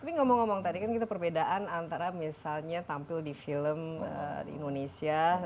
tapi ngomong ngomong tadi kan kita perbedaan antara misalnya tampil di film di indonesia